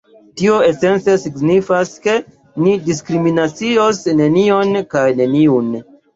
Tio esence signifas, ke ni diskriminacios nenion kaj neniun.